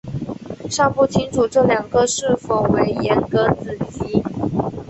尚不清楚这两个是否为严格子集。